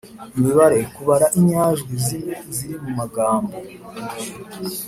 - imibare: kubara inyajwi zizwe ziri mu magambo